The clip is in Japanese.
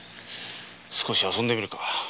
少し遊んでみるか。